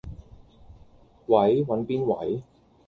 喂，搵邊位？